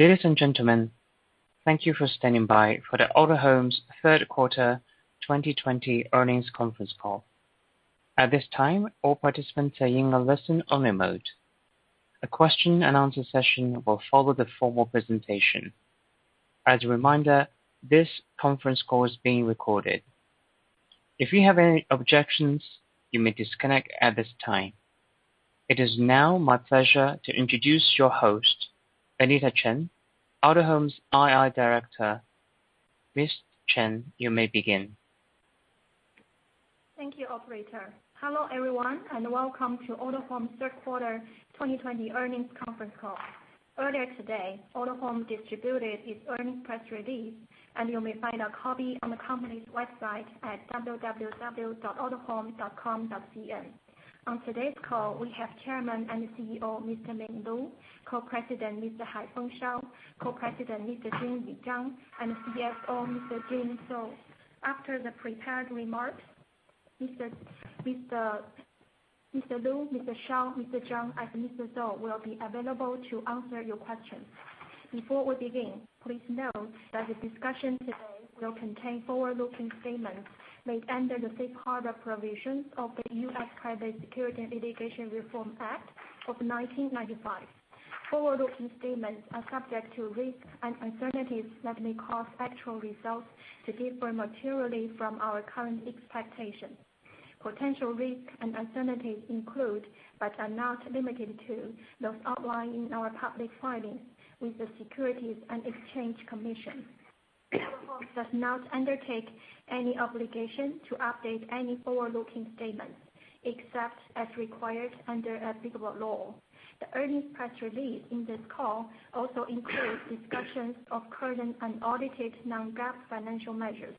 Ladies and gentlemen, thank you for standing by for the Autohome's third quarter 2020 earnings conference call. At this time, all participants are in a listen-only mode. A question-and-answer session will follow the formal presentation. As a reminder, this conference call is being recorded. If you have any objections, you may disconnect at this time. It is now my pleasure to introduce your host, Anita Chen, Autohome's IR Director. Ms. Chen, you may begin. Thank you, Operator. Hello everyone, and welcome to Autohome's third quarter 2020 earnings conference call. Earlier today, Autohome distributed its earnings press release, and you may find a copy on the company's website at www.autohome.com.cn. On today's call, we have Chairman and CEO Mr. Ming Lu, Co-President Mr. Haifeng Shao, Co-President Mr. Jingyu Zhang, and CFO Mr. Jun Zhou. After the prepared remarks, Mr. Lu, Mr. Shao, Mr. Zhang, and Mr. Zhou will be available to answer your questions. Before we begin, please note that the discussion today will contain forward-looking statements made under the safeguard of provisions of the U.S. Private Securities Litigation Reform Act of 1995. Forward-looking statements are subject to risks and uncertainties that may cause actual results to differ materially from our current expectations. Potential risks and uncertainties include, but are not limited to, those outlined in our public filings with the Securities and Exchange Commission. Autohome does not undertake any obligation to update any forward-looking statements, except as required under applicable law. The earnings press release in this call also includes discussions of current and audited non-GAAP financial measures.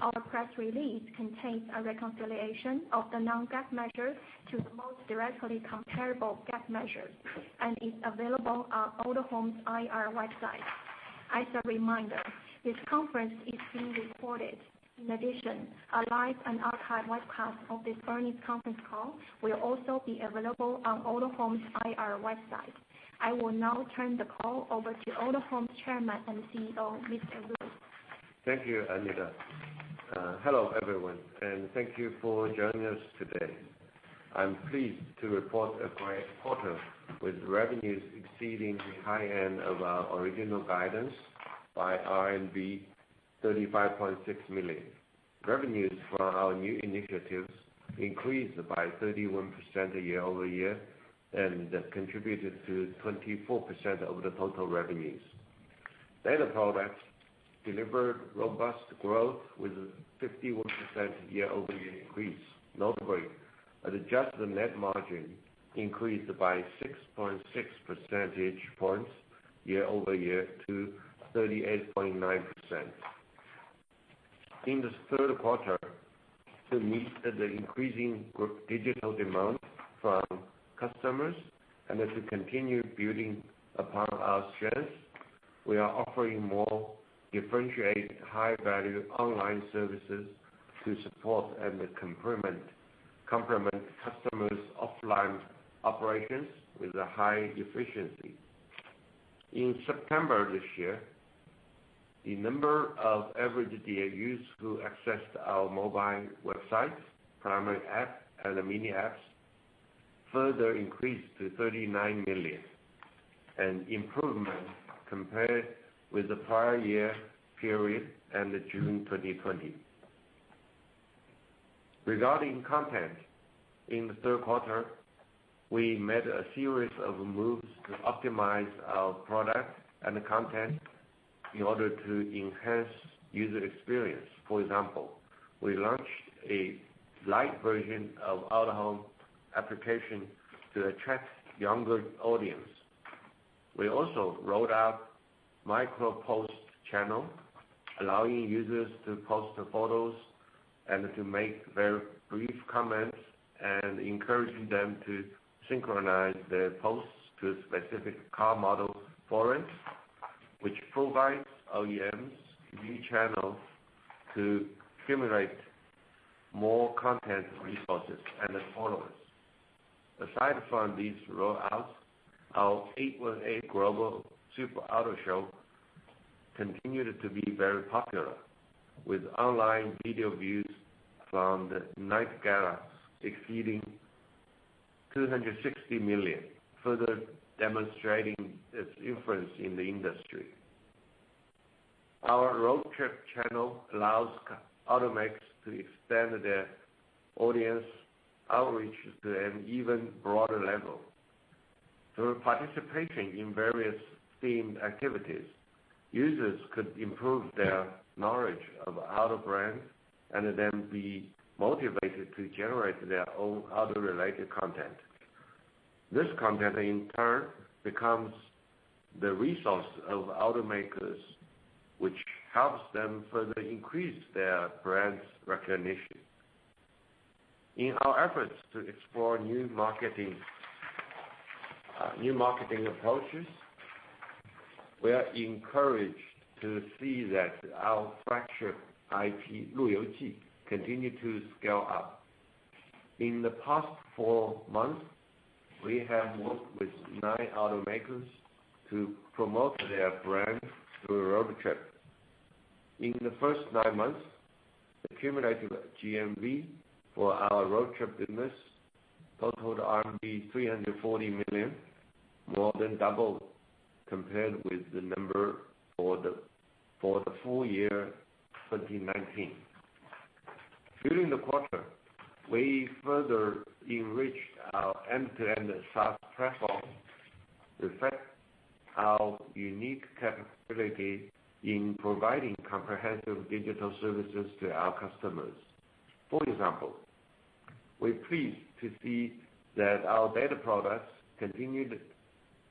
Our press release contains a reconciliation of the non-GAAP measures to the most directly comparable GAAP measures and is available on Autohome's IR website. As a reminder, this conference is being recorded. In addition, a live and archived webcast of this earnings conference call will also be available on Autohome's IR website. I will now turn the call over to Autohome's Chairman and CEO, Mr. Lu. Thank you, Anita. Hello everyone, and thank you for joining us today. I'm pleased to report a great quarter with revenues exceeding the high end of our original guidance by RMB 35.6 million. Revenues from our new initiatives increased by 31% year over year and contributed to 24% of the total revenues. Data products delivered robust growth with a 51% year over year increase. Notably, adjusted net margin increased by 6.6 percentage points year over year to 38.9%. In the third quarter, to meet the increasing digital demand from customers and to continue building upon our strengths, we are offering more differentiated high-value online services to support and complement customers' offline operations with a high efficiency. In September this year, the number of average DAUs who accessed our mobile website, primary app, and mini apps further increased to 39 million, an improvement compared with the prior year period and June 2020. Regarding content, in the third quarter, we made a series of moves to optimize our product and content in order to enhance user experience. For example, we launched a light version of Autohome application to attract a younger audience. We also rolled out a micro-post channel, allowing users to post photos and to make very brief comments and encouraging them to synchronize their posts to specific car model forums, which provides OEMs new channels to accumulate more content resources and followers. Aside from these rollouts, our 818 Global Super Auto Show continued to be very popular, with online video views from the night gala exceeding 260 million, further demonstrating its influence in the industry. Our road trip channel allows Autohome to extend their audience outreach to an even broader level. Through participation in various themed activities, users could improve their knowledge of auto brands and then be motivated to generate their own auto-related content. This content, in turn, becomes the resource of automakers, which helps them further increase their brand's recognition. In our efforts to explore new marketing approaches, we are encouraged to see that our flagship IP Luyuji continues to scale up. In the past four months, we have worked with nine automakers to promote their brand through road trips. In the first nine months, the cumulative GMV for our road trip business totaled RMB 340 million, more than double compared with the number for the full year 2019. During the quarter, we further enriched our end-to-end SaaS platform to reflect our unique capability in providing comprehensive digital services to our customers. For example, we're pleased to see that our data products continued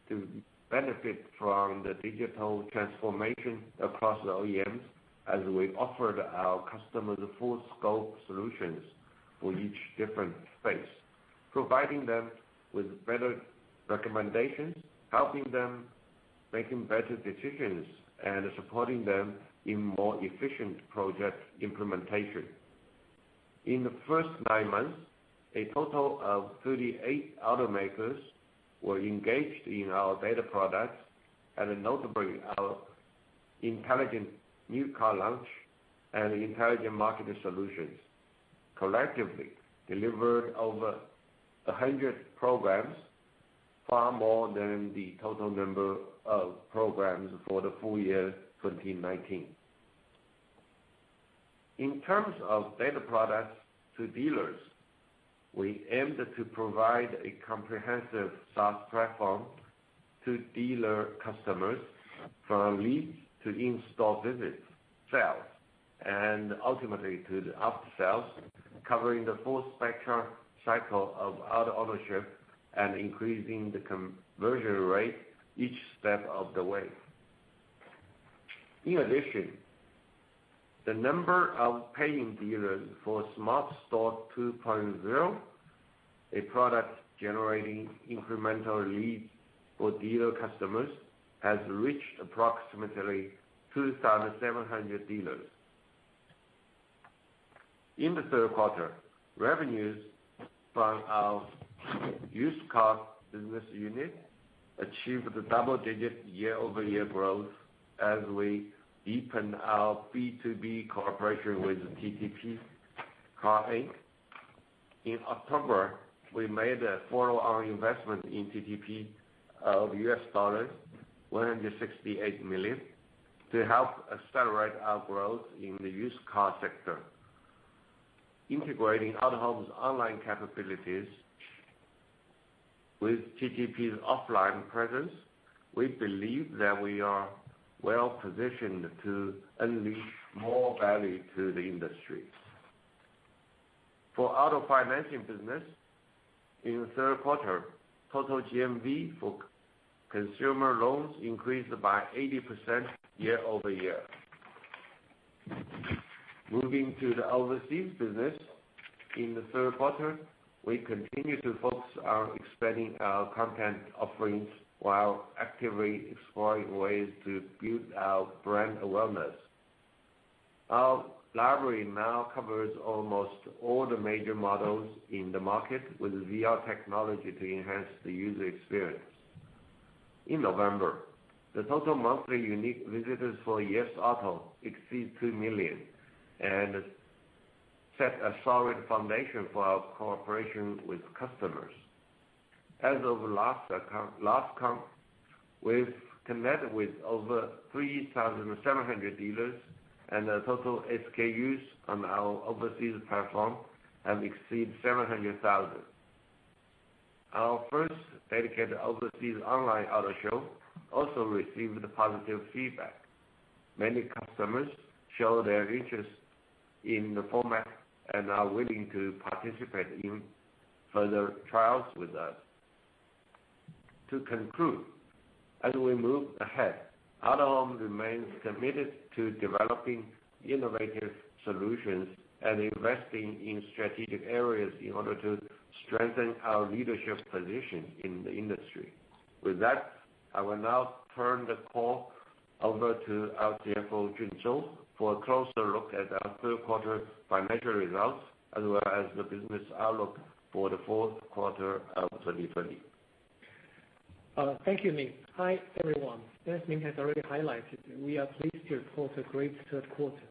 to benefit from the digital transformation across OEMs as we offered our customers full-scope solutions for each different phase, providing them with better recommendations, helping them make better decisions, and supporting them in more efficient project implementation. In the first nine months, a total of 38 automakers were engaged in our data products, and notably, our intelligent new car launch and intelligent marketing solutions collectively delivered over 100 programs, far more than the total number of programs for the full year 2019. In terms of data products to dealers, we aimed to provide a comprehensive SaaS platform to dealer customers from leads to in-store visits, sales, and ultimately to the after-sales, covering the full spectrum cycle of auto ownership and increasing the conversion rate each step of the way. In addition, the number of paying dealers for Smart Store 2.0, a product generating incremental leads for dealer customers, has reached approximately 2,700 dealers. In the third quarter, revenues from our used car business unit achieved double-digit year-over-year growth as we deepened our B2B cooperation with TTP Car Inc. In October, we made a follow-on investment in TTP of $168 million to help accelerate our growth in the used car sector. Integrating Autohome's online capabilities with TTP's offline presence, we believe that we are well-positioned to unleash more value to the industry. For auto financing business, in the third quarter, total GMV for consumer loans increased by 80% year over year. Moving to the overseas business, in the third quarter, we continue to focus on expanding our content offerings while actively exploring ways to build our brand awareness. Our library now covers almost all the major models in the market with VR technology to enhance the user experience. In November, the total monthly unique visitors for YesAuto exceeded 2 million and set a solid foundation for our cooperation with customers. As of last month, we've connected with over 3,700 dealers, and the total SKUs on our overseas platform have exceeded 700,000. Our first dedicated overseas online auto show also received positive feedback. Many customers showed their interest in the format and are willing to participate in further trials with us. To conclude, as we move ahead, Autohome remains committed to developing innovative solutions and investing in strategic areas in order to strengthen our leadership position in the industry. With that, I will now turn the call over to our CFO, Jun Zou, for a closer look at our third quarter financial results as well as the business outlook for the fourth quarter of 2020. Thank you, Ming. Hi, everyone. As Ming has already highlighted, we are pleased to report a great third quarter.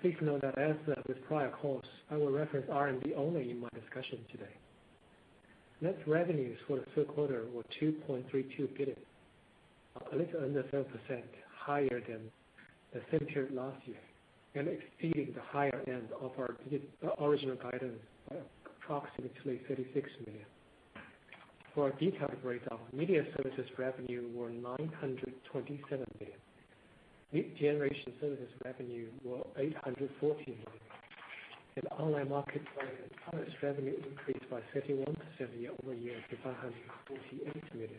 Please note that, as with prior calls, I will reference RMB only in my discussion today. Net revenues for the third quarter were 2.32 billion, a little under 7% higher than the same period last year, and exceeding the higher end of our original guidance by approximately 36 million. For a detailed breakdown, media services revenue were 927 million. Lead generation services revenue were 840 million. In online marketplace, service revenue increased by 31% year over year to 548 million,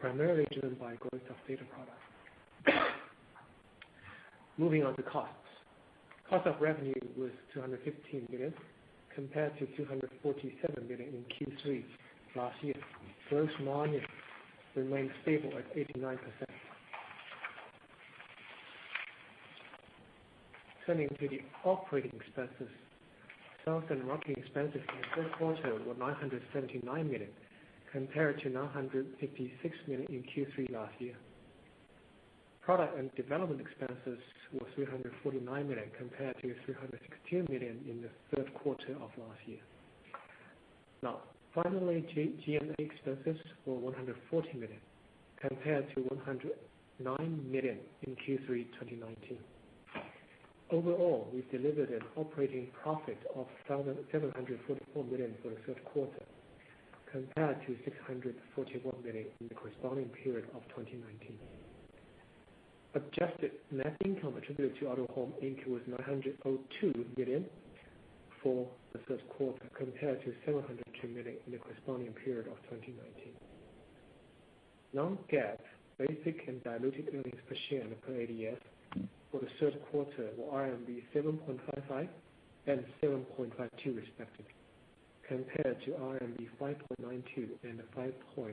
primarily driven by growth of data products. Moving on to costs. Cost of revenue was 215 million compared to 247 million in Q3 last year. Gross margin remained stable at 89%. Turning to the operating expenses, sales and marketing expenses in the third quarter were 979 million compared to 956 million in Q3 last year. Research and development expenses were 349 million compared to 316 million in the third quarter of last year. Now, finally, G&A expenses were 140 million compared to 109 million in Q3 2019. Overall, we delivered an operating profit of 744 million for the third quarter compared to 641 million in the corresponding period of 2019. Adjusted net income attributed to Autohome Inc. was 902 million for the third quarter compared to 702 million in the corresponding period of 2019. Non-GAAP basic and diluted earnings per share and per ADS for the third quarter were RMB 7.55 and 7.52, respectively, compared to RMB 5.92 and 5.88,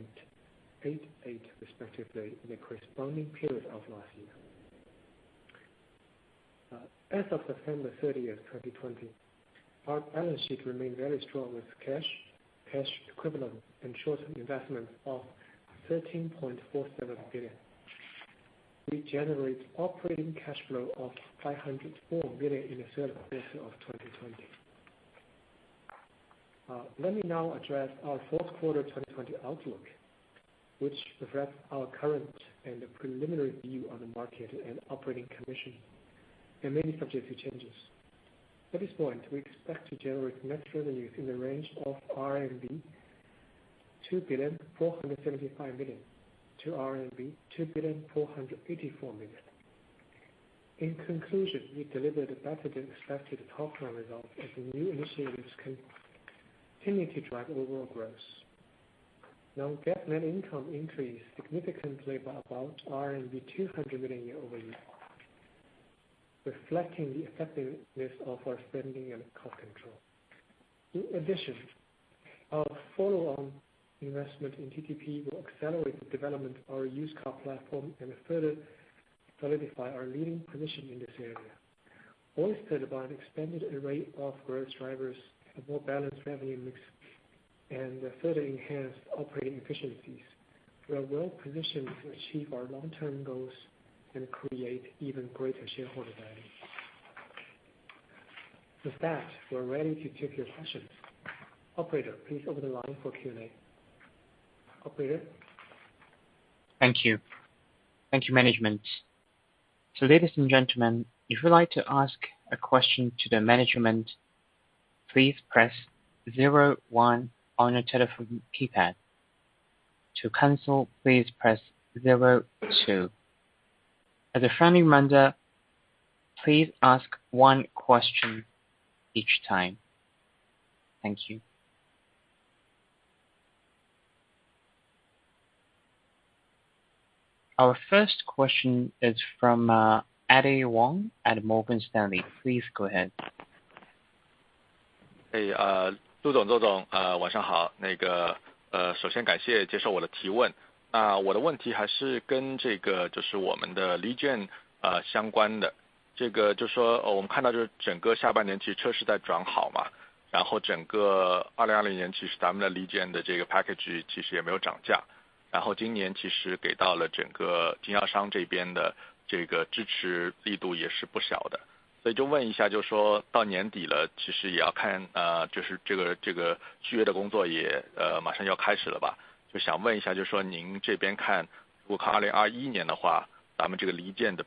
respectively, in the corresponding period of last year. As of September 30, 2020, our balance sheet remained very strong with cash, cash equivalents, and short-term investments of 13.47 billion. We generated operating cash flow of 504 million in the third quarter of 2020. Let me now address our fourth quarter 2020 outlook, which reflects our current and preliminary view on the market and operating conditions, and many subjective changes. At this point, we expect to generate net revenues in the range of 2.475 billion-2.484 billion RMB. In conclusion, we delivered better than expected top-line results as new initiatives continue to drive overall growth. Non-GAAP net income increased significantly by about 200 million year over year, reflecting the effectiveness of our spending and cost control. In addition, our follow-on investment in TTP will accelerate the development of our used car platform and further solidify our leading position in this area. Also provide an expanded array of growth drivers, a more balanced revenue mix, and further enhance operating efficiencies. We are well-positioned to achieve our long-term goals and create even greater shareholder value. With that, we're ready to take your questions. Operator, please open the line for Q&A. Operator. Thank you. Thank you, management. So ladies and gentlemen, if you'd like to ask a question to the management, please press 01 on your telephone keypad. To cancel, please press 02. As a friendly reminder, please ask one question each time. Thank you. Our first question is from Andy Wong at Morgan Stanley. Please go ahead. lead generation，相关的。这个就说，我们看到就是整个下半年其实车市在转好，然后整个 2020 年其实咱们的 lead generation 的这个 package 其实也没有涨价，然后今年其实给到了整个经销商这边的这个支持力度也是不小的。所以就问一下，就说到年底了，其实也要看，就是这个，这个续约的工作也，马上要开始了吧。就想问一下，就说您这边看，如果看 2021 年的话，咱们这个 lead generation 的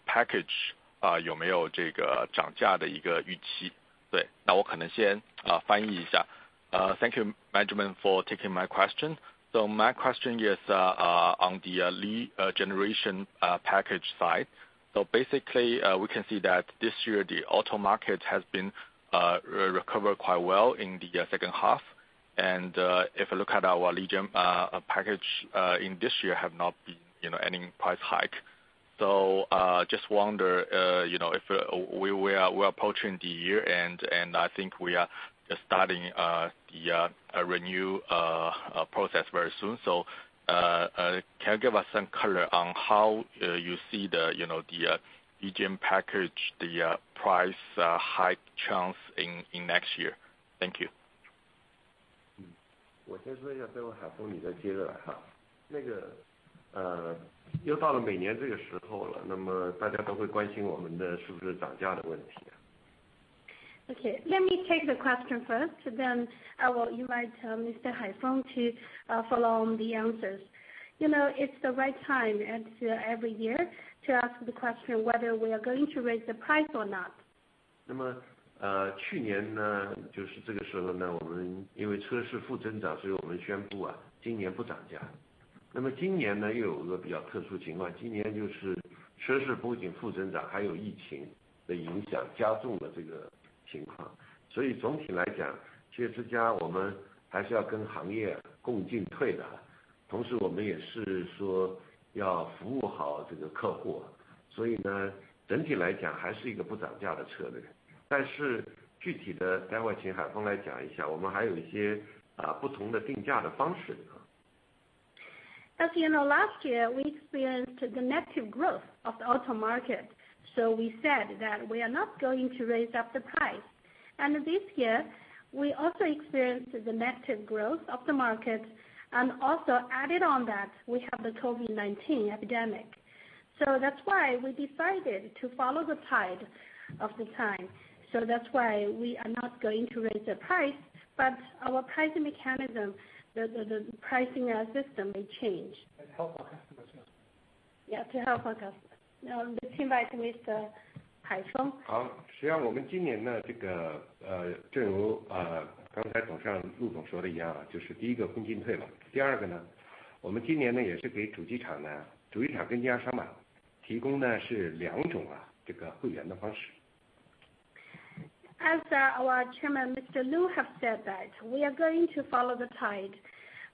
package，有没有这个涨价的一个预期？对，那我可能先，翻译一下。Thank you, management, for taking my question. So my question is, on the lead generation package side. So basically, we can see that this year the auto market has been recovered quite well in the second half, and if you look at our lead generation package, in this year have not been you know any price hike. So just wonder you know if we're approaching the year and I think we are starting the renewal process very soon. So can you give us some color on how you see the you know the lead generation package the price hike chance in next year? Thank you. 我先说一下最后海峰，你再接着来哈。那个，呃，又到了每年这个时候了，那么大家都会关心我们的是不是涨价的问题。Okay, let me take the question first, then I will invite Mr. Haifeng to follow on the answers. You know, it's the right time every year to ask the question whether we are going to raise the price or not. 那么，呃，去年呢，就是这个时候呢，我们因为车市负增长，所以我们宣布啊，今年不涨价。那么今年呢，又有一个比较特殊情况，今年就是车市不仅负增长，还有疫情的影响加重了这个情况。所以总体来讲，这些之家我们还是要跟行业共进退的。同时我们也是说要服务好这个客户。所以呢，整体来讲还是一个不涨价的策略。但是具体的待会请海峰来讲一下，我们还有一些，啊，不同的定价的方式。As you know, last year we experienced the negative growth of the auto market, so we said that we are not going to raise up the price. And this year we also experienced the negative growth of the market, and also added on that we have the COVID-19 epidemic. So that's why we decided to follow the tide of the time. So that's why we are not going to raise the price, but our pricing mechanism, the pricing system may change. To help our customers, yes. Yeah, to help our customers. Now, let's invite Mr. Haifeng. 好，实际上我们今年呢，这个，呃，正如，呃，刚才董事长陆总说的一样啊，就是第一个共进退嘛。第二个呢，我们今年呢，也是给主机厂呢，主机厂跟经销商嘛，提供呢是两种啊，这个会员的方式。As our chairman, Mr. Lu, have said that we are going to follow the tide,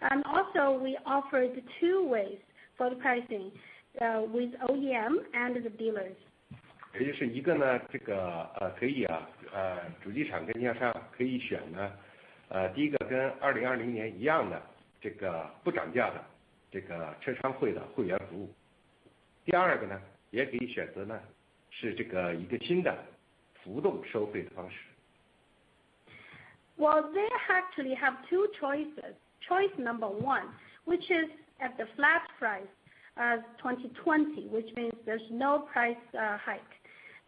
and also we offered two ways for the pricing, with OEM and the dealers. 也就是一个呢，这个，可以啊，主机厂跟经销商可以选呢，第一个跟 2020 年一样的这个不涨价的这个车商会的会员服务。第二个呢，也可以选择呢，是这个一个新的浮动收费的方式。They actually have two choices. Choice number one, which is at the flat price as 2020, which means there's no price hike.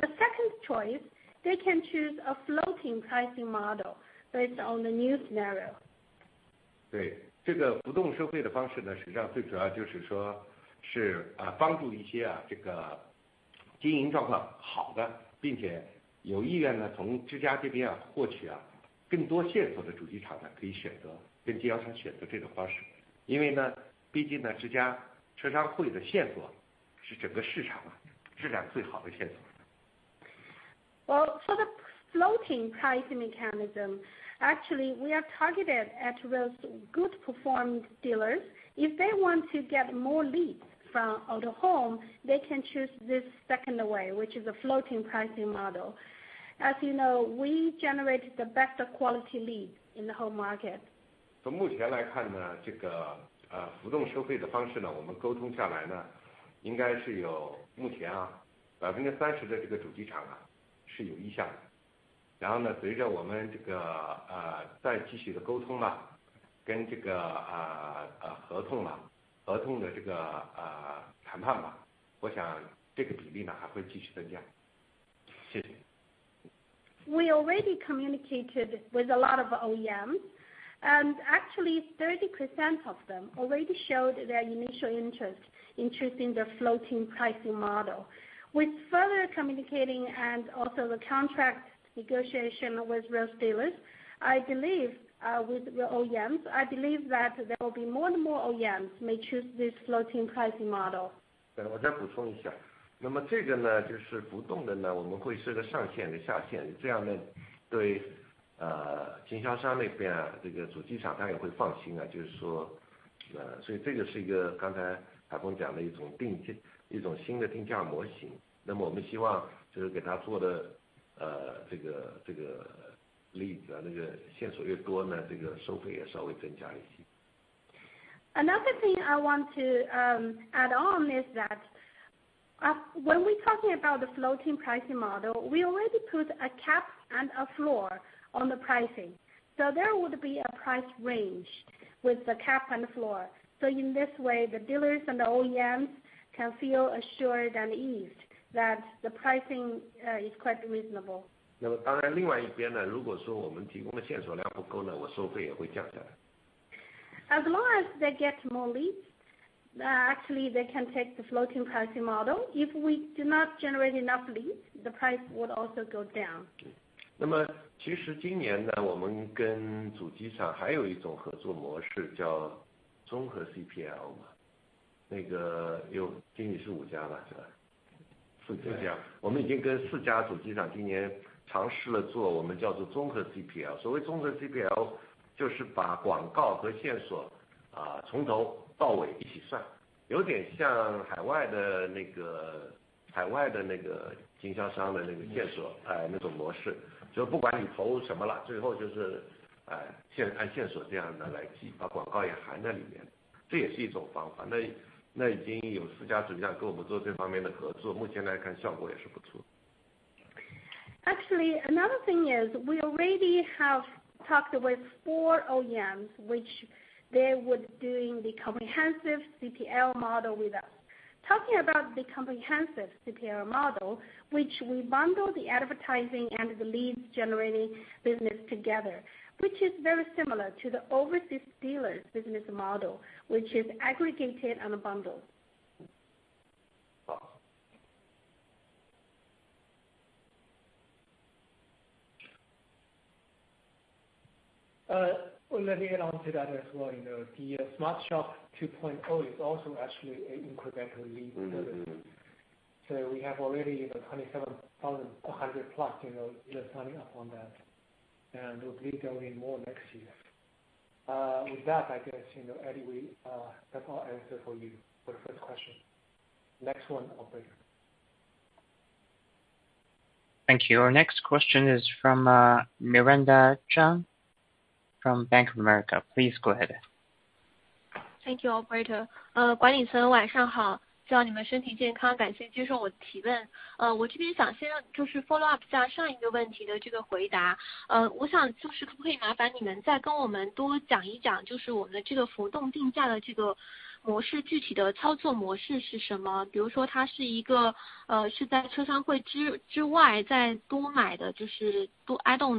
The second choice, they can choose a floating pricing model based on the new scenario. 对，这个浮动收费的方式呢，实际上最主要就是说是，啊，帮助一些啊，这个经营状况好的，并且有意愿呢，从之家这边啊，获取啊，更多线索的主机厂呢，可以选择跟经销商选择这种方式。因为呢，毕竟呢，之家车商会的线索是整个市场啊，质量最好的线索。Well, for the floating pricing mechanism, actually we are targeted at those good performing dealers. If they want to get more leads from Autohome, they can choose this second way, which is a floating pricing model. As you know, we generate the best quality leads in the whole market. 从目前来看呢，这个，呃，浮动收费的方式呢，我们沟通下来呢，应该是有目前啊，30%的这个主机厂啊，是有意向的。然后呢，随着我们这个，呃，再继续的沟通吧，跟这个，呃，呃，合同吧，合同的这个，呃，谈判吧，我想这个比例呢，还会继续增加。谢谢。We already communicated with a lot of OEMs, and actually 30% of them already showed their initial interest in choosing their floating pricing model. With further communicating and also the contract negotiation with real dealers, I believe, with real OEMs, I believe that there will be more and more OEMs may choose this floating pricing model. 对，我再补充一下。那么这个呢，就是浮动的呢，我们会设个上限跟下限，这样呢，对，呃，经销商那边啊，这个主机厂商也会放心啊，就是说，呃，所以这就是一个刚才海峰讲的一种定价，一种新的定价模型。那么我们希望就是给他做的，呃，这个，这个例子啊，那个线索越多呢，这个收费也稍微增加一些。Another thing I want to add on is that, when we're talking about the floating pricing model, we already put a cap and a floor on the pricing. So there would be a price range with the cap and the floor. So in this way, the dealers and the OEMs can feel assured and eased that the pricing is quite reasonable. 那么当然另外一边呢，如果说我们提供的线索量不够呢，我收费也会降下来。As long as they get more leads, actually they can take the floating pricing model. If we do not generate enough leads, the price would also go down. Actually, another thing is we already have talked with four OEMs, which they would be doing the comprehensive CPL model with us. Talking about the comprehensive CPL model, which we bundle the advertising and the lead generation business together, which is very similar to the overseas dealers business model, which is aggregated on a bundle. Let me add on to that as well, you know, the Smart Store 2.0 is also actually an incremental lead. Mm-hmm. So we have already, you know, 27,100 plus, you know, just signing up on that, and we'll be going more next year. With that, I guess, you know, Andy, we, that's our answer for you for the first question. Next one, Operator. Thank you. Our next question is from Miranda Zhuang Bank of America Please go ahead. Thank you, Operator. 管理层晚上好，希望你们身体健康，感谢接受我的提问。我这边想先让就是 follow up 一下上一个问题的这个回答。我想就是可不可以麻烦你们再跟我们多讲一讲就是我们的这个浮动定价的这个模式，具体的操作模式是什么？比如说它是一个，是在车商会之之外再多买的，就是多 add on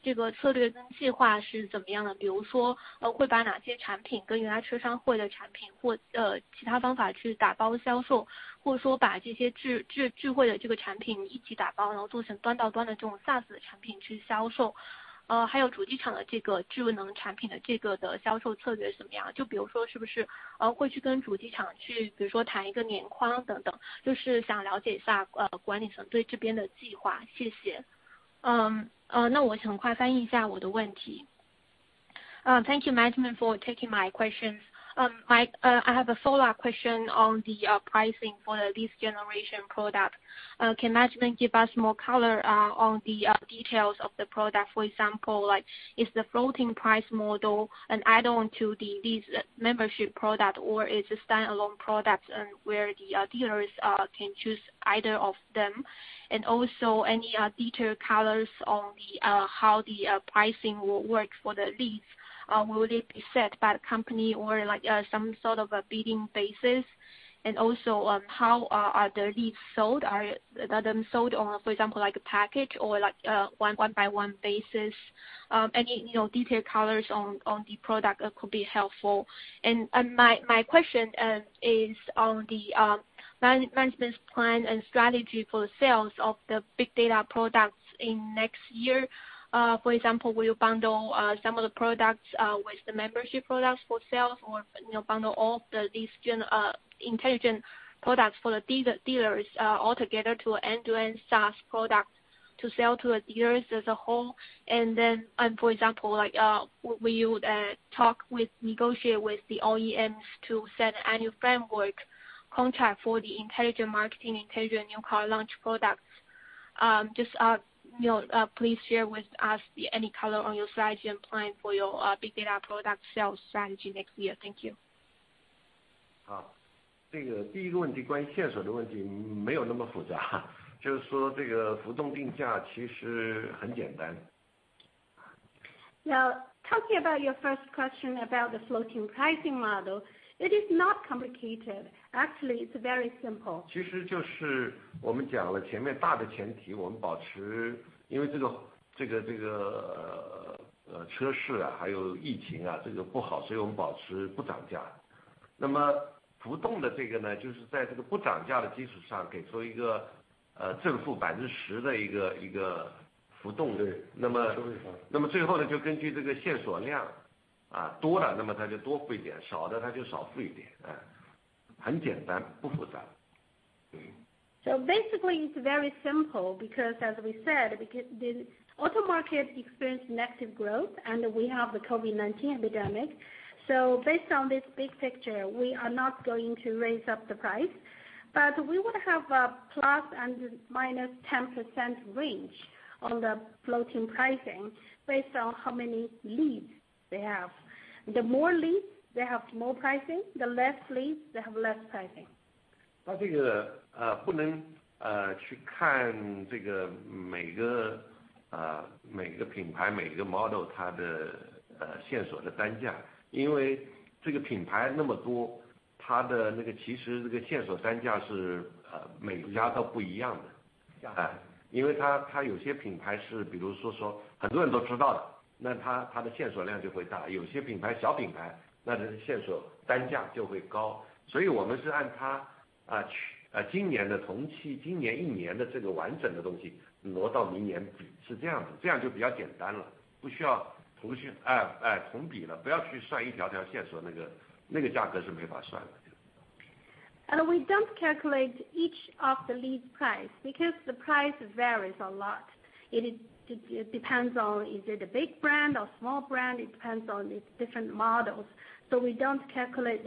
SaaS 的产品去销售？还有主机厂的这个智能产品的这个的销售策略怎么样？就比如说是不是，会去跟主机厂去，比如说谈一个年框等等，就是想了解一下，管理层对这边的计划。谢谢。那我想快翻译一下我的问题. thank you, management, for taking my questions. my, I have a follow-up question on the, pricing for the leads generation product. can management give us more color, on the, details of the product? For example, like, is the floating price model an add-on to the leads membership product, or is it a standalone product, and where the, dealers, can choose either of them? And also, any, detailed colors on the, how the, pricing will work for the leads? will it be set by the company or, like, some sort of a bidding basis? And also, how, are the leads sold? Are they sold on, for example, like a package or, like, one-by-one basis? any, you know, detailed colors on, on the product could be helpful. My question is on the management's plan and strategy for the sales of the big data products next year. For example, will you bundle some of the products with the membership products for sales, or, you know, bundle all of the leads gen, intelligent products for the dealers, altogether to an end-to-end SaaS product to sell to the dealers as a whole? For example, like, will you talk with, negotiate with the OEMs to set an annual framework contract for the intelligent marketing, intelligent new car launch products? Just, you know, please share with us the any color on your side you're implying for your big data product sales strategy next year. Thank you. 好，这个第一个问题关于线索的问题没有那么复杂，就是说这个浮动定价其实很简单。Now, talking about your first question about the floating pricing model, it is not complicated. Actually, it's very simple. Basically it's very simple because, as we said, because the auto market experienced negative growth and we have the COVID-19 epidemic. Based on this big picture, we are not going to raise up the price, but we would have a plus and minus 10% range on the floating pricing based on how many leads they have. The more leads they have, the more pricing. The less leads they have, the less pricing. 那这个，不能去看这个每个品牌，每个 model 它的线索的单价，因为这个品牌那么多，它的那个其实这个线索单价是，每家都不一样的。因为它，有些品牌是，比如说很多人都知道的，那它的线索量就会大。有些品牌，小品牌，那这个线索单价就会高。所以我们是按它，去，今年的同期，今年一年的这个完整的东西挪到明年比，是这样的。这样就比较简单了，不需要同学，同比了，不要去算一条条线索，那个价格是没法算的。And we don't calculate each of the leads' price because the price varies a lot. It depends on is it a big brand or small brand. It depends on different models. So we don't calculate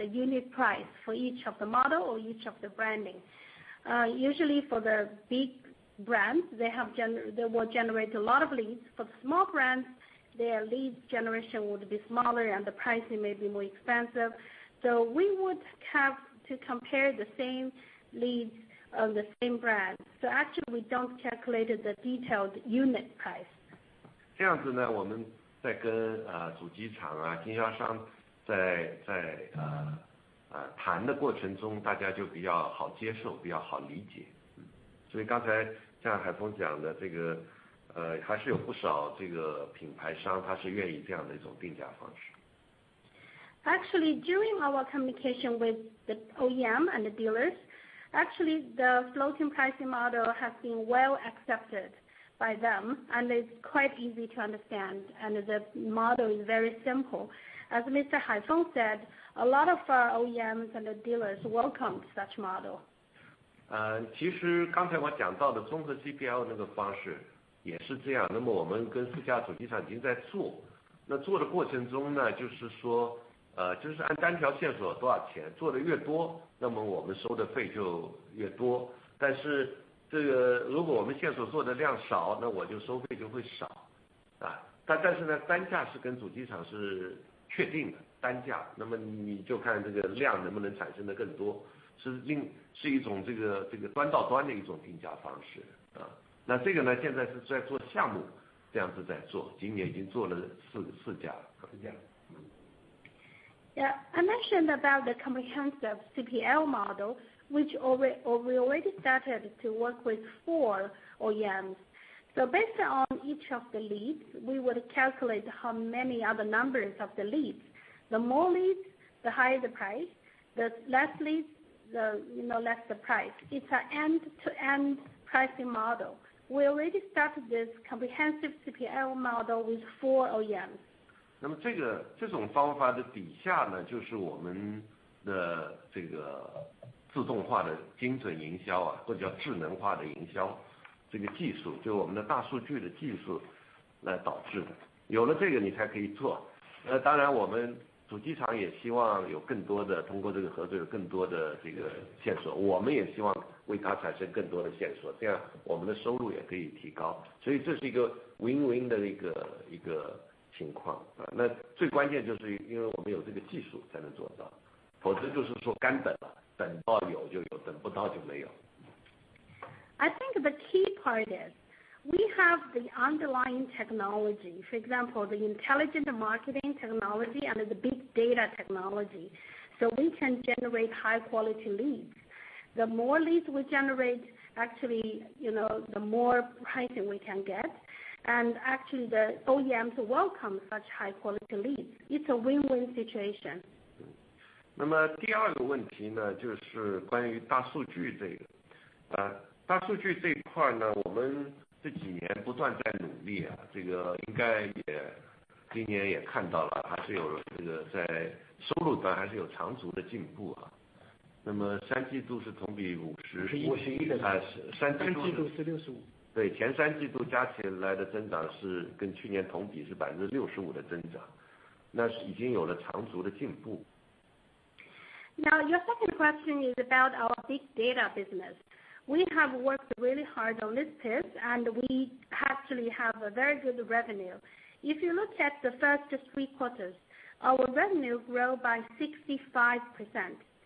the unit price for each of the model or each of the branding. Usually for the big brands, they have generated. They will generate a lot of leads. For the small brands, their leads generation would be smaller and the pricing may be more expensive. So we would have to compare the same leads of the same brand. So actually we don't calculate the detailed unit price. 这样子呢，我们在跟，呃，主机厂啊，经销商在，在，呃，呃，谈的过程中，大家就比较好接受，比较好理解。嗯，所以刚才像海峰讲的这个，呃，还是有不少这个品牌商，他是愿意这样的一种定价方式。Actually, during our communication with the OEM and the dealers, actually the floating pricing model has been well accepted by them, and it's quite easy to understand, and the model is very simple. As Mr. Haifeng said, a lot of our OEMs and the dealers welcome such model. 其实，刚才我讲到的综合 CPL 的那个方式也是这样，那么我们跟四家主机厂已经在做，那做的过程中呢，就是说，就是按单条线索多少钱，做的越多，那么我们收的费就越多。但是这个如果我们线索做的量少，那我就收费就会少。但是呢，单价是跟主机厂是确定的单价，那么你就看这个量能不能产生的更多，是另一种这个端到端的一种定价方式。那这个呢，现在是在做项目，这样子在做，今年已经做了四家。Yeah, I mentioned about the comprehensive CPL model, which we already started to work with four OEMs. So based on each of the leads, we would calculate how many are the numbers of the leads. The more leads, the higher the price. The less leads, the, you know, less the price. It's an end-to-end pricing model. We already started this comprehensive CPL model with four OEMs. 那么这种方法的底下呢，就是我们的这个自动化的精准营销啊，或者叫智能化的营销，这个技术就我们的大数据的技术来导致的。有了这个你才可以做。那当然我们主机厂也希望有更多的通过这个合作，有更多的这个线索，我们也希望为他产生更多的线索，这样我们的收入也可以提高。所以这是一个 win-win 的情况。那最关键就是因为我们有这个技术才能做到，否则就是说干等了，等到有就有，等不到就没有。I think the key part is we have the underlying technology, for example, the intelligent marketing technology and the big data technology, so we can generate high-quality leads. The more leads we generate, actually, you know, the more pricing we can get, and actually the OEMs welcome such high-quality leads. It's a win-win situation. 那么第二个问题呢，就是关于大数据这个，呃，大数据这一块呢，我们这几年不断在努力啊，这个应该也今年也看到了，还是有这个在收入端还是有长足的进步啊。那么三季度是同比 50。是51的。三季度是65。对，前三季度加起来的增长是跟去年同比是 65% 的增长，那是已经有了长足的进步。Now, your second question is about our big data business. We have worked really hard on this piece, and we actually have a very good revenue. If you look at the first three quarters, our revenue grew by 65%,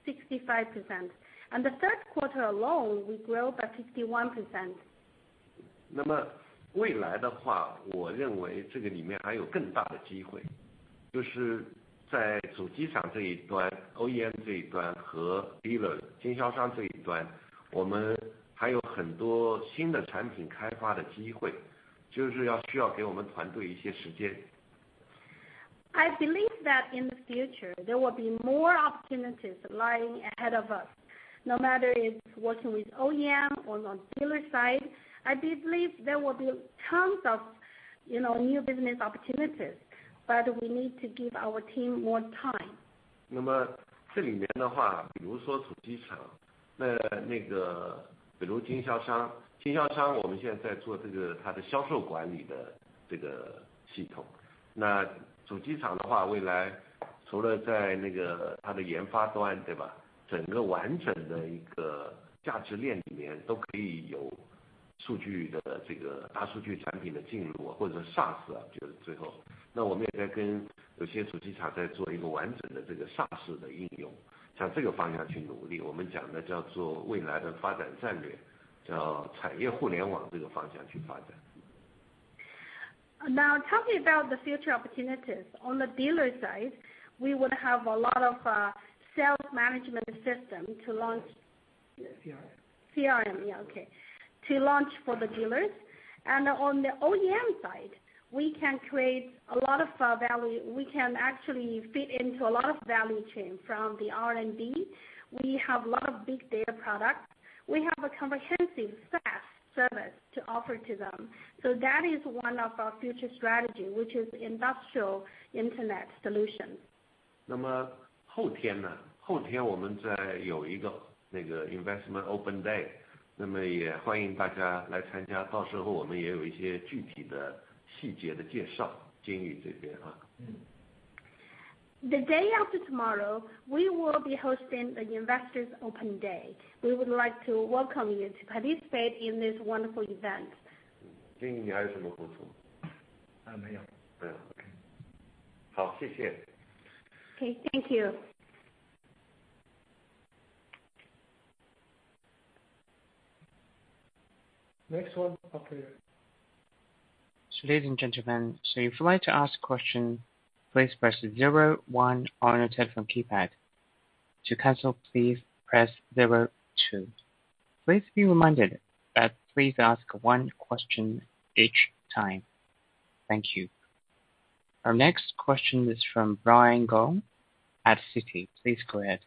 65%, and the third quarter alone we grew by 51%. 那么未来的话，我认为这个里面还有更大的机会，就是在主机厂这一端，OEM 这一端和 dealer 经销商这一端，我们还有很多新的产品开发的机会，就是要需要给我们团队一些时间。I believe that in the future there will be more opportunities lying ahead of us, no matter if working with OEM or on dealer side. I believe there will be tons of, you know, new business opportunities, but we need to give our team more time. 那么这里面的话，比如说主机厂，那那个，比如经销商，经销商我们现在在做这个他的销售管理的这个系统，那主机厂的话未来除了在那个他的研发端，对吧，整个完整的一个价值链里面都可以有数据的这个大数据产品的进入，或者 SaaS 啊，就是最后。那我们也在跟有些主机厂在做一个完整的这个 SaaS 的应用，向这个方向去努力，我们讲的叫做未来的发展战略，叫产业互联网这个方向去发展。Now, talking about the future opportunities on the dealer side, we would have a lot of self-management system to launch. Yeah, CRM. CRM, yeah, okay, to launch for the dealers. On the OEM side, we can create a lot of value. We can actually fit into a lot of value chain from the R&D. We have a lot of big data products. We have a comprehensive SaaS service to offer to them. That is one of our future strategies, which is industrial internet solutions. 那么后天，我们再有一个 investment open day，也欢迎大家来参加。到时候我们也有一些具体的细节的介绍，景宇这边啊。The day after tomorrow we will be hosting the Investors Open Day. We would like to welcome you to participate in this wonderful event. 金宇，你还有什么补充？ 呃，没有。没有，OK。好，谢谢。Okay, thank you. Next one, Operator. Ladies and gentlemen, so if you'd like to ask a question, please press 0, 1, or on your telephone keypad. To cancel, please press 0, 2. Please be reminded that ask one question each time. Thank you. Our next question is from Brian Gong at Citi. Please go ahead.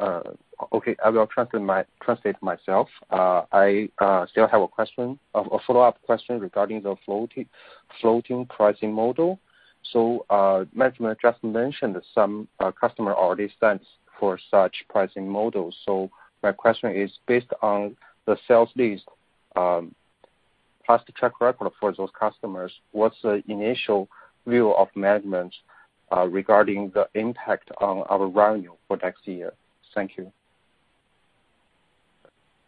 I will translate myself. I still have a question, a follow-up question regarding the floating pricing model. So, management just mentioned some customers already adopted such pricing model. So my question is, based on the sales leads past track record for those customers, what's the initial view of management regarding the impact on our revenue for next year? Thank you.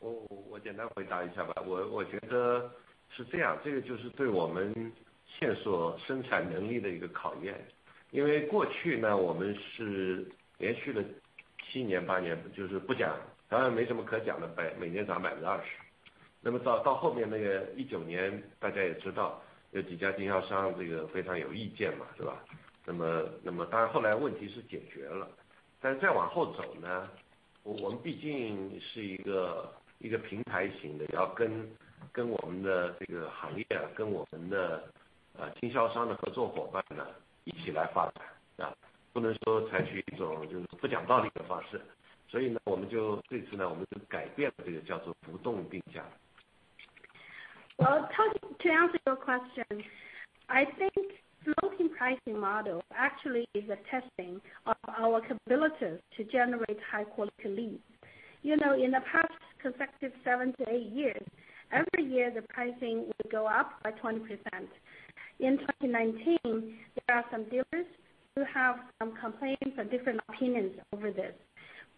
我简单回答一下吧，我觉得是这样，这个就是对我们线索生产能力的一个考验。因为过去呢，我们是连续了七年八年，就是不讲，当然没什么可讲的，每年涨20%。那么到后面那个2019年，大家也知道，有几家经销商这个非常有意见嘛，是吧？那么后来问题是解决了。但是再往后走呢，我们毕竟是一个平台型的，要跟我们的这个行业，跟我们的，经销商的合作伙伴呢，一起来发展啊，不能说采取一种就是不讲道理的方式。所以呢，我们这次呢，我们就改变了这个叫做浮动定价。Talking to answer your question, I think floating pricing model actually is a testing of our capabilities to generate high-quality leads. You know, in the past consecutive seven to eight years, every year the pricing would go up by 20%. In 2019, there are some dealers who have some complaints and different opinions over this.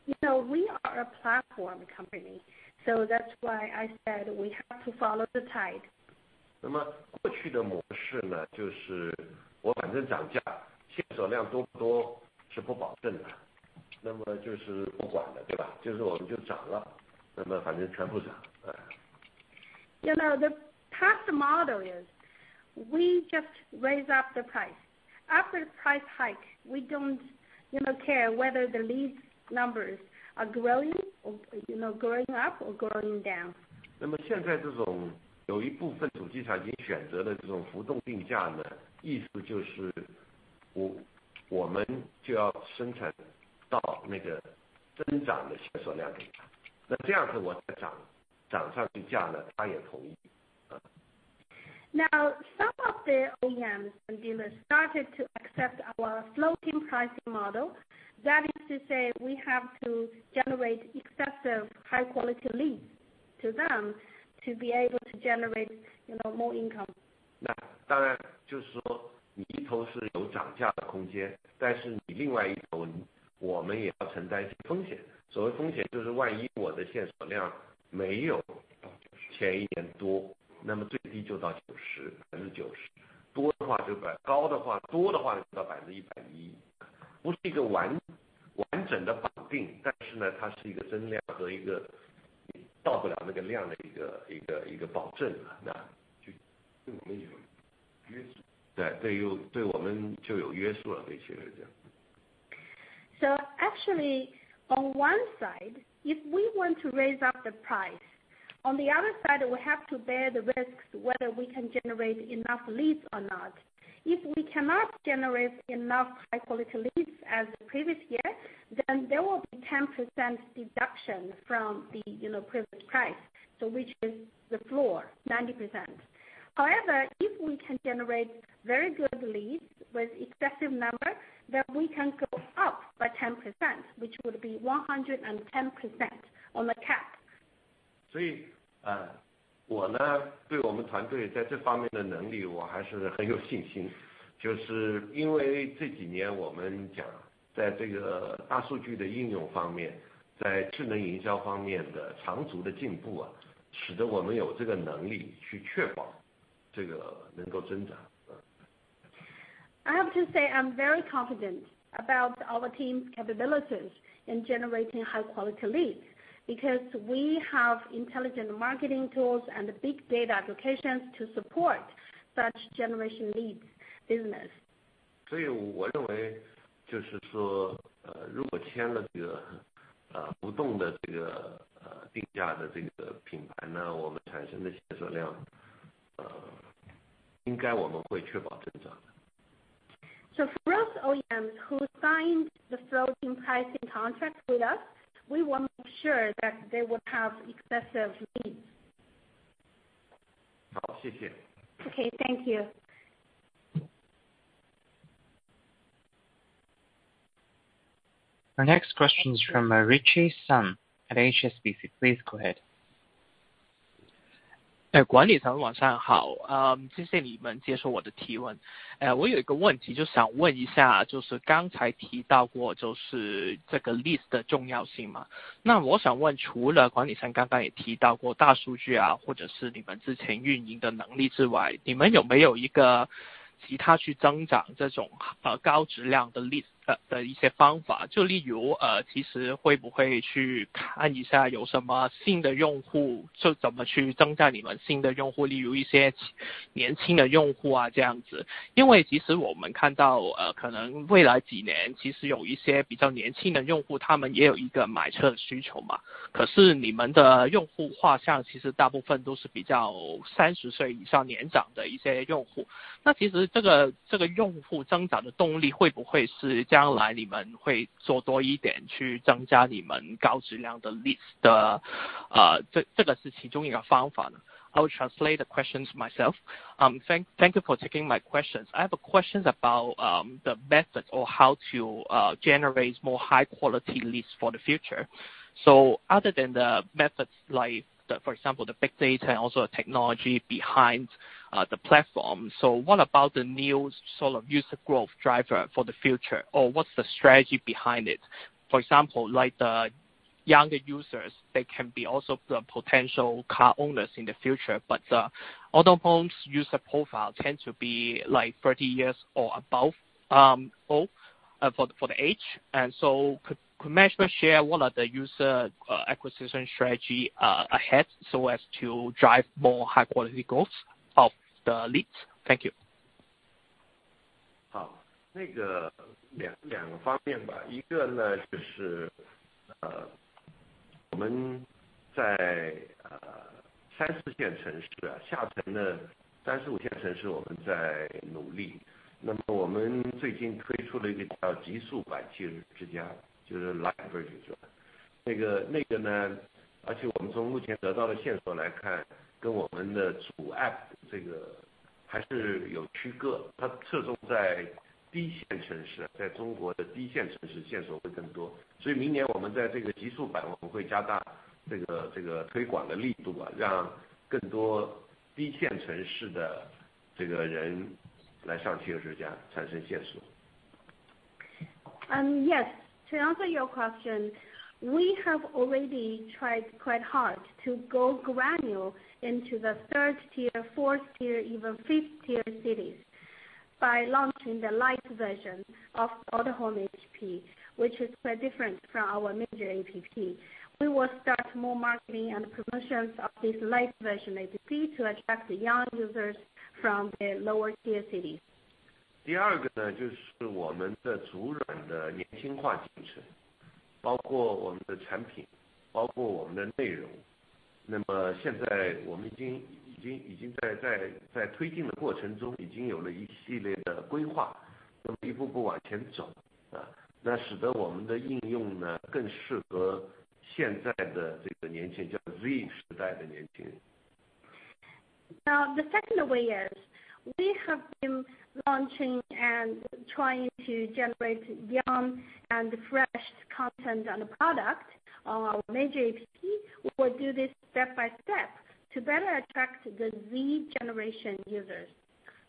You know, we are a platform company, so that's why I said we have to follow the tide. 那么过去的模式呢，就是我反正涨价，线索量多不多是不保证的。那么就是不管的，对吧？就是我们就涨了，那么反正全部涨。You know, the past model is we just raise up the price. After the price hike, we don't, you know, care whether the leads numbers are growing or, you know, growing up or growing down. 那么现在这种有一部分主机厂已经选择了这种浮动定价呢，意思就是我我们就要生产到那个增长的线索量给他。那这样子我再涨，涨上去价呢，他也同意。Now, some of the OEMs and dealers started to accept our floating pricing model. That is to say we have to generate excessive high-quality leads to them to be able to generate, you know, more income. 那当然就是说你一头是有涨价的空间，但是你另外一头我们也要承担一些风险。所谓风险就是万一我的线索量没有，就是前一年多，那么最低就到 90%。多的话就到 110%。不是一个完整的绑定，但是呢，它是一个增量和一个到不了那个量的保证。那就对我们有约束，对我们就有约束了，确实这样。So actually on one side, if we want to raise up the price, on the other side we have to bear the risks whether we can generate enough leads or not. If we cannot generate enough high-quality leads as the previous year, then there will be 10% deduction from the, you know, previous price, so which is the floor, 90%. However, if we can generate very good leads with excessive number, then we can go up by 10%, which would be 110% on the cap. 所以，呃，我呢，对我们团队在这方面的能力我还是很有信心。就是因为这几年我们讲在这个大数据的应用方面，在智能营销方面的长足的进步啊，使得我们有这个能力去确保这个能够增长。I have to say I'm very confident about our team's capabilities in generating high-quality leads because we have intelligent marketing tools and big data applications to support such generation leads business. 所以我认为就是说，呃，如果签了这个，呃，浮动的这个，呃，定价的这个品牌呢，我们产生的线索量，呃，应该我们会确保增长的。So for us OEMs who signed the floating pricing contract with us, we want to make sure that they would have excessive leads. 好，谢谢。Okay, thank you. Our next question is from Ritchie Sun at HSBC. Please go ahead. 管理层晚上好，谢谢你们接受我的提问。我有一个问题就想问一下，就是刚才提到过就是这个 leads 的重要性嘛。那我想问，除了管理层刚刚也提到过大数据啊，或者是你们之前运营的能力之外，你们有没有一个其他去增长这种，高质量的 leads 的一些方法？就例如，其实会不会去看一下有什么新的用户，就怎么去增加你们新的用户，例如一些年轻的用户啊，这样子。因为其实我们看到，可能未来几年其实有一些比较年轻的用户，他们也有一个买车的需求嘛。可是你们的用户画像其实大部分都是比较 30 岁以上年长的一些用户。那其实用户增长的动力会不会是将来你们会做多一点去增加你们高质量的 leads 的，这这个是其中一个方法呢？ I will translate the questions myself. Thank you for taking my questions. I have a question about the methods or how to generate more high-quality leads for the future. So other than the methods like, for example, the big data and also the technology behind the platform, so what about the new sort of user growth driver for the future, or what's the strategy behind it? For example, like the younger users, they can be also the potential car owners in the future, but the Autohome's user profile tends to be like 30 years or above old for the age. So could management share what are the user acquisition strategy ahead so as to drive more high-quality growth of the leads? Thank you. 好，那两个方面吧，一个就是，我们在三四线城市，下沉的三四五线城市我们在努力。那么我们最近推出了一个叫极速版汽车之家，就是 Lite version 这个，而且我们从目前得到的线索来看，跟我们的主 app 这个还是有区隔。它侧重在低线城市，在中国的低线城市线索会更多。所以明年我们在这个极速版我们会加大这个推广的力度，让更多低线城市的人来上汽车之家产生线索。Yes, to answer your question, we have already tried quite hard to go granular into the third tier, fourth tier, even fifth tier cities by launching the light version of Autohome app, which is quite different from our major app. We will start more marketing and promotions of this light version app to attract the young users from the lower tier cities. 第二个呢就是我们的土壤的年轻化进程，包括我们的产品，包括我们的内容。那么现在我们已经在推进的过程中，已经有了一系列的规划，那么一步步往前走啊，那使得我们的应用呢更适合现在的这个年轻，叫 Z 时代的年轻人。Now, the second way is we have been launching and trying to generate young and fresh content and product on our major app. We will do this step by step to better attract the Z generation users.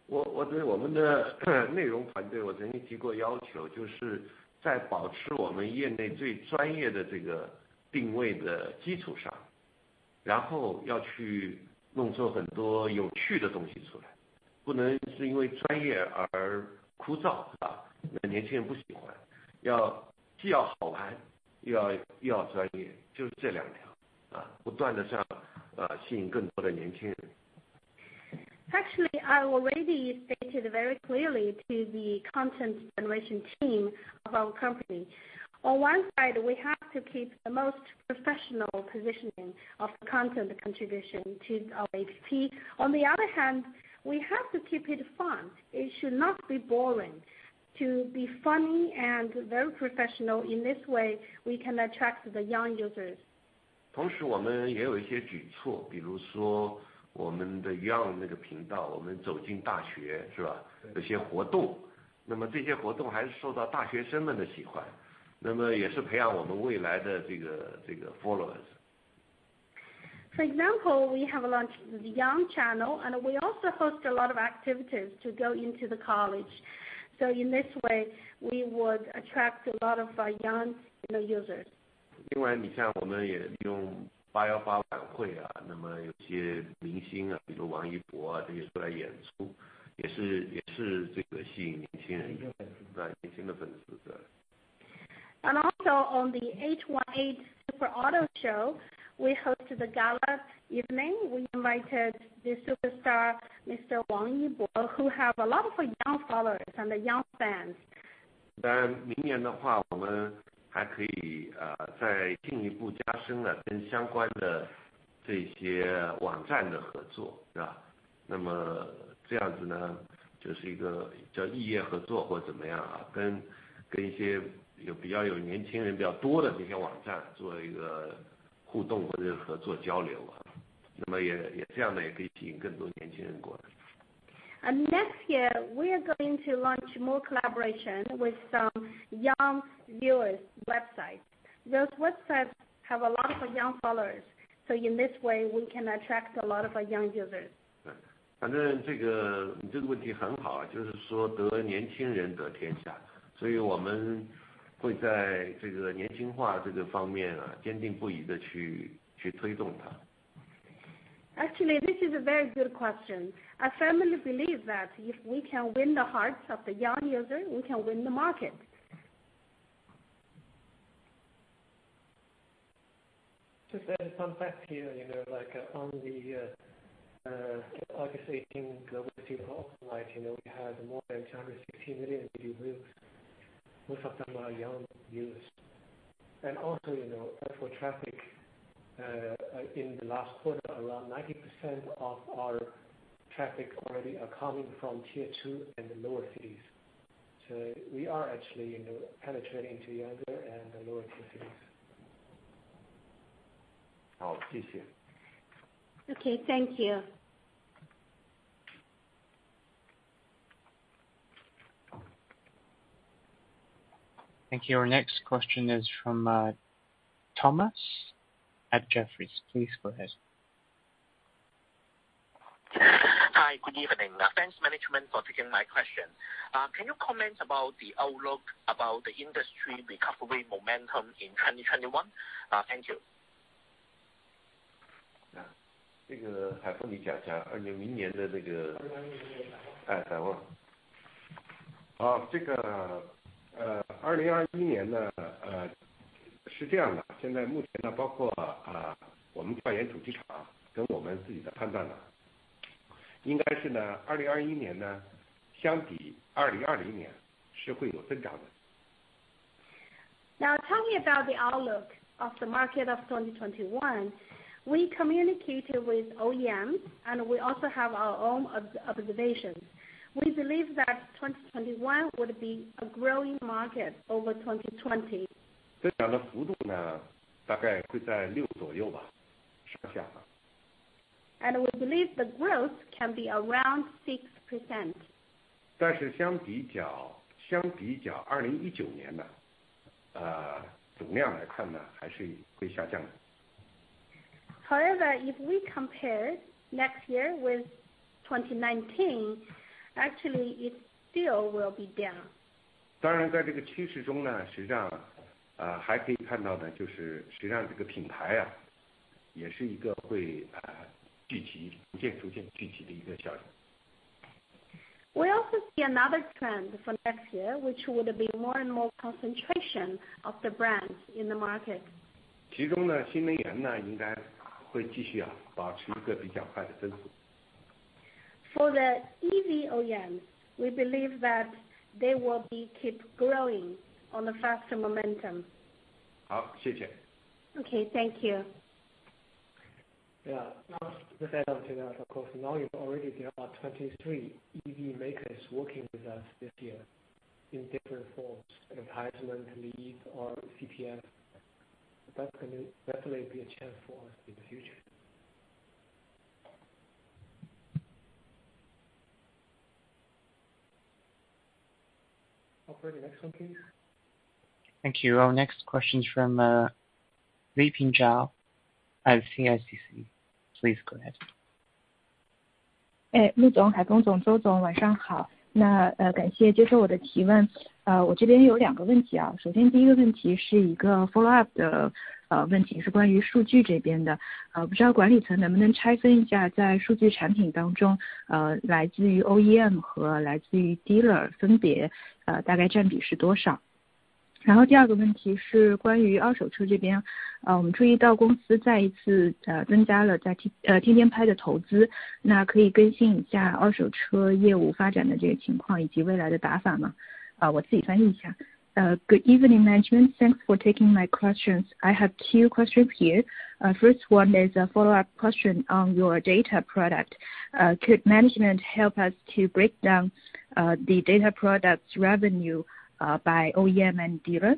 我我对我们的内容团队我曾经提过要求，就是在保持我们业内最专业的这个定位的基础上，然后要去弄出很多有趣的东西出来，不能是因为专业而枯燥啊，那年轻人不喜欢，要既要好玩又要又要专业，就是这两条啊，不断的向，呃，吸引更多的年轻人。Actually, I already stated very clearly to the content generation team of our company. On one side, we have to keep the most professional positioning of the content contribution to our app. On the other hand, we have to keep it fun. It should not be boring. To be funny and very professional in this way, we can attract the young users. 同时，我们也有一些举措，比如说我们的 Young Channel，我们走进大学，是吧？有些活动，那么这些活动还是受到大学生们的喜欢，那么也是培养我们未来的这个 followers。For example, we have launched the Young Channel, and we also host a lot of activities to go into the college. In this way, we would attract a lot of young users. 另外你看我们也利用818晚会，那么有些明星，比如王一博，这些出来演出，也是这个吸引年轻人，年轻的粉丝是吧。Also on the 818 Global Super Auto Show, we hosted the gala evening. We invited the superstar Mr. Wang Yibo, who has a lot of young followers and young fans. 当然明年的话我们还可以，呃，再进一步加深了跟相关的这些网站的合作，是吧？那么这样子呢，就是一个叫异业合作或怎么样啊，跟跟一些有比较有年轻人比较多的这些网站做一个互动或者合作交流啊，那么也也这样呢，也可以吸引更多年轻人过来。Next year we are going to launch more collaboration with some young viewers' websites. Those websites have a lot of young followers, so in this way we can attract a lot of young users. 反正这个你这个问题很好，就是说得年轻人得天下，所以我们会在这个年轻化这个方面啊，坚定不移的去去推动它。Actually, this is a very good question. I firmly believe that if we can win the hearts of the young users, we can win the market. Just add a fun fact here, you know, like on the, obviously in the way people open, like, you know, we had more than 260 million reviews, most of them are young viewers. And also, you know, for traffic, in the last quarter, around 90% of our traffic already are coming from tier two and the lower cities. So we are actually, you know, penetrating to younger and lower tier cities. 好，谢谢。Okay, thank you. Thank you. Our next question is from Thomas at Jefferies. Please go ahead. Hi, good evening. Thanks, Management, for taking my question. Can you comment about the outlook about the industry recovery momentum in 2021? Thank you. 这个海峰，你讲讲2021年的那个。2021年的展望。展望。啊，这个，呃，2021年呢，呃，是这样的，现在目前呢，包括啊，我们调研主机厂跟我们自己的判断呢，应该是呢，2021年呢，相比2020年是会有增长的。Now, tell me about the outlook of the market of 2021. We communicated with OEMs, and we also have our own observations. We believe that 2021 would be a growing market over 2020. 增长的幅度呢，大概会在6左右吧，上下吧。We believe the growth can be around 6%. 但是相比较相比较2019年呢，呃，总量来看呢，还是会下降的。However, if we compare next year with 2019, actually it still will be down. 当然在这个趋势中呢，实际上，呃，还可以看到呢，就是实际上这个品牌啊，也是一个会，呃，聚集逐渐逐渐聚集的一个效应。We also see another trend for next year, which would be more and more concentration of the brands in the market. 其中呢，新能源呢，应该会继续啊，保持一个比较快的增速。For the EV OEMs, we believe that they will keep growing on the faster momentum. 好，谢谢。Okay, thank you. Yeah, now to say that, of course, we already have 23 EV makers working with us this year in different forms: advertising, leads, or CPM. That's going to definitely be a chance for us in the future. Okay, next one please. Thank you. Our next question is from Liping ZHAO CICC .Please go ahead. 陆总，海峰总，周总，晚上好。那，感谢接受我的提问。我这边有两个问题。首先第一个问题是一个 follow up 的问题，是关于数据这边的。不知道管理层能不能拆分一下，在数据产品当中，来自于 OEM 和来自于 dealer 分别，大概占比是多少。然后第二个问题是关于二手车这边，我们注意到公司再一次，增加了在天，天天拍的投资。那可以更新一下二手车业务发展的这个情况，以及未来的打法吗？啊，我自己翻译一下。Good evening, Management. Thanks for taking my questions. I have two questions here. First one is a follow-up question on your data product. Could Management help us to break down the data product's revenue by OEM and dealer?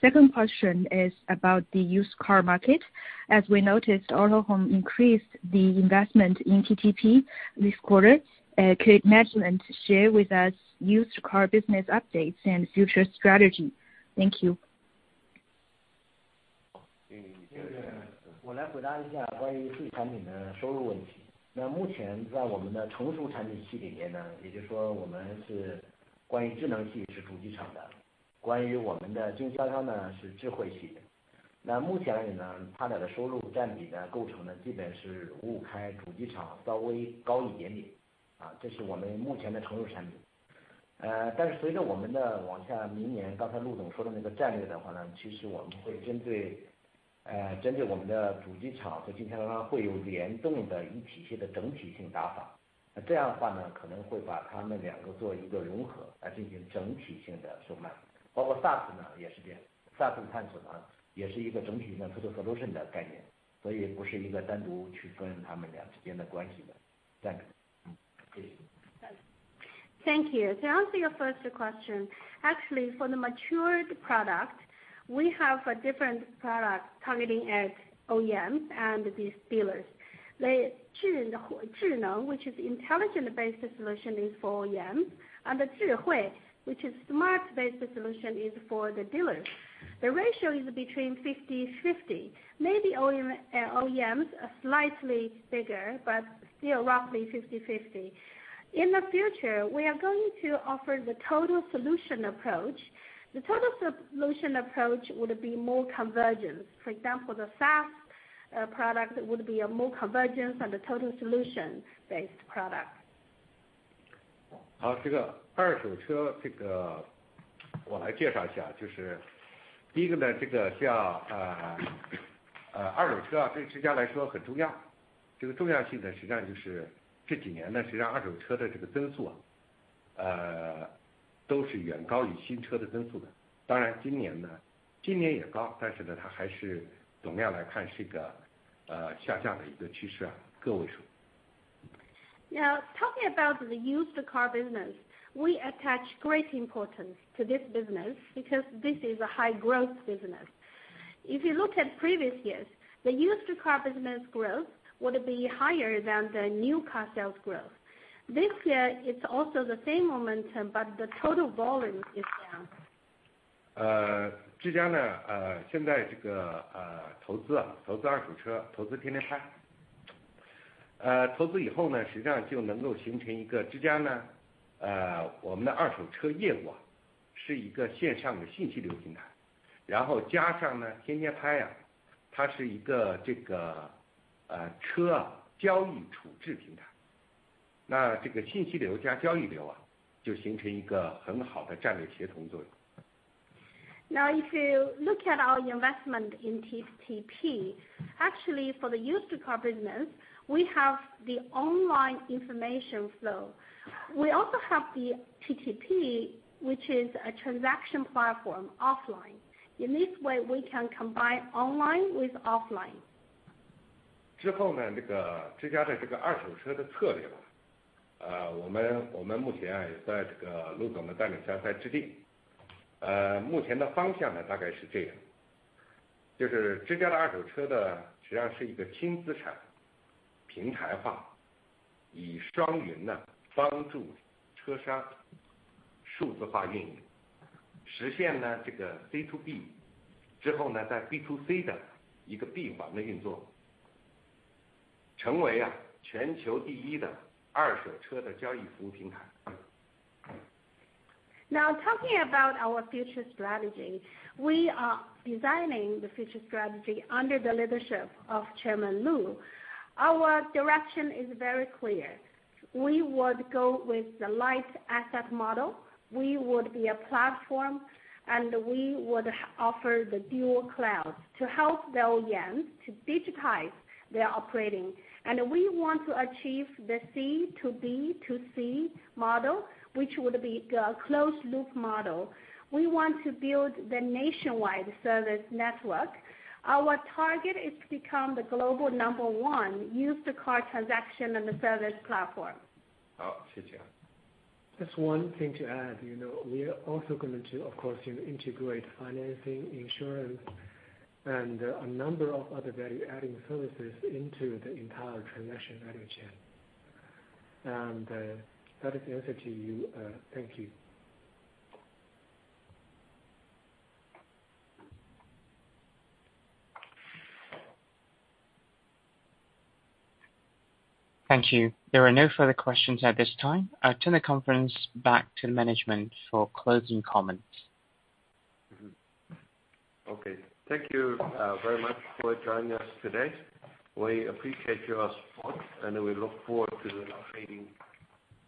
Second question is about the used car market. As we noticed, Autohome increased the investment in TTP this quarter. Could Management share with us used car business updates and future strategy? Thank you. 我来回答一下关于数据产品的收入问题。那目前在我们的成熟产品系里面，也就是说我们是关于智能系是主机厂的，关于我们的经销商，是智慧系的。那目前而言，他俩的收入占比，构成的基本是五五开，主机厂稍微高一点点。这是我们目前的成熟产品。但是随着我们的往下，明年刚才陆总说的那个战略的话，其实我们会针对，针对我们的主机厂和经销商会有联动的一体性的整体性打法。那这样的话，可能会把他们两个做一个融合来进行整体性的售卖，包括 SaaS，也是这样。SaaS 的探索，也是一个整体性的 total solution 的概念，所以不是一个单独区分他们俩之间的关系的战略。谢谢。Thank you. To answer your first question, actually for the matured product, we have a different product targeting at OEMs and these dealers. 智能, which is intelligent based solution is for OEMs, and 智慧, which is smart based solution is for the dealers. The ratio is between 50-50. Maybe OEMs are slightly bigger, but still roughly 50-50. In the future, we are going to offer the total solution approach. The total solution approach would be more convergence. For example, the SaaS product would be a more convergence and the total solution based product. 好，这个二手车这个我来介绍一下，就是第一个呢，这个叫，呃，呃，二手车啊，对这家来说很重要。这个重要性呢，实际上就是这几年呢，实际上二手车的这个增速啊，呃，都是远高于新车的增速的。当然今年呢，今年也高，但是呢，它还是总量来看是一个，呃，下降的一个趋势啊，个位数。Now, talking about the used car business, we attach great importance to this business because this is a high growth business. If you look at previous years, the used car business growth would be higher than the new car sales growth. This year, it's also the same momentum, but the total volume is down. 呃，之家呢，呃，现在这个，呃，投资啊，投资二手车，投资天天拍。呃，投资以后呢，实际上就能够形成一个之家呢，呃，我们的二手车业务啊，是一个线上的信息流平台，然后加上呢，天天拍啊，它是一个这个，呃，车交易处置平台。那这个信息流加交易流啊，就形成一个很好的战略协同作用。Now, if you look at our investment in TTP, actually for the used car business, we have the online information flow. We also have the TTP, which is a transaction platform offline. In this way, we can combine online with offline. Now, talking about our future strategy, we are designing the future strategy under the leadership of Chairman Lu. Our direction is very clear. We would go with the light asset model. We would be a platform, and we would offer the dual clouds to help the OEMs to digitize their operating. And we want to achieve the C2B2C model, which would be the closed loop model. We want to build the nationwide service network. Our target is to become the global number one used car transaction and the service platform. 好，谢谢。Just one thing to add, you know, we are also going to, of course, you know, integrate financing, insurance, and a number of other value-adding services into the entire transaction value chain. And, that is the answer to you. Thank you. Thank you. There are no further questions at this time. I'll turn the conference back to Management for closing comments. Okay. Thank you very much for joining us today. We appreciate your support, and we look forward to updating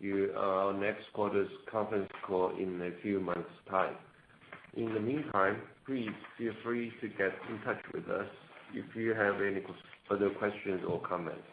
you, our next quarter's conference call in a few months' time. In the meantime, please feel free to get in touch with us if you have any further questions or comments.